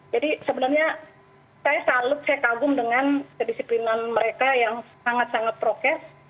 jadi sebenarnya saya salut saya kagum dengan kedisiplinan mereka yang sangat sangat prokes